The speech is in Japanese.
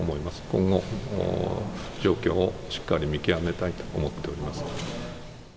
今後、状況をしっかり見極めたいと思っております。